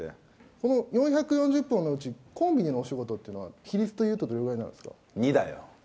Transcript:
この４４０本のうち、コンビでのお仕事っていうのは、比率でいうとどれくらいになるんですか？